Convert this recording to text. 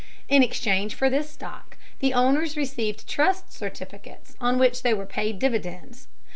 In exchange for this stock, the owners received trust certificates on which they were paid dividends.